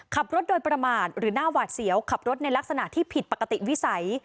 ขับรถโดยประมาทหรือหน้าหวาดเสียวขับรถในลักษณะที่ผิดปกติวิสัย